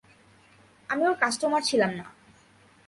আমি ওর কাস্টোমার ছিলাম না।